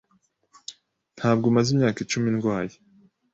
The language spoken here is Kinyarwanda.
Ntabwo maze imyaka icumi ndwaye.